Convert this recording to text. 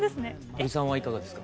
保里さんはいかがですか？